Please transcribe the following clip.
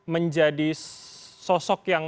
menjadi sosok yang